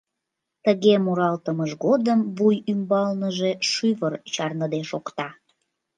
Тыге муралтымыж годым вуй ӱмбалныже шӱвыр чарныде шокта;